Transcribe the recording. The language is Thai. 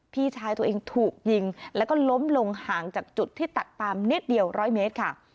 พี่ชายตัวเองถูกยิงแล้วก็ล้มลงห่างจากจุดที่ตัดปามนิดเดียว๑๐๐เมตรค่ะ